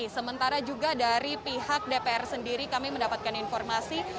sementara juga dari pihak dpr sendiri kami mendapatkan informasi